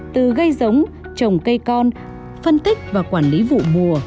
từ gây giống trồng cây con phân tích và quản lý vụ mùa